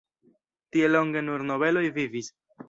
Tie longe nur nobeloj vivis.